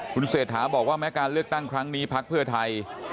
คุณเศรษฐาบอกว่าแม้การเลือกตั้งครั้งนี้พักเพื่อไทย